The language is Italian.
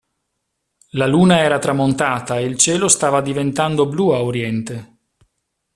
La Luna era tramontata e il cielo stava diventando blu a Oriente.